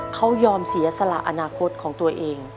เขายอมเสียสละอนาคตของตัวเอง